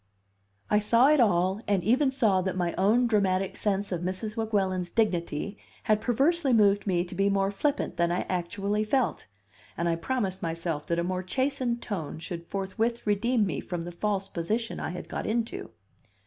I saw it all, and even saw that my own dramatic sense of Mrs. Weguelin's dignity had perversely moved me to be more flippant than I actually felt; and I promised myself that a more chastened tone should forthwith redeem me from the false position I had got into.